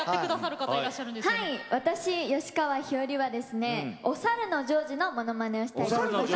私、吉川ひよりはおさるのジョージのものまねをしたいと思います。